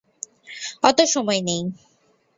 অত সময় নেই।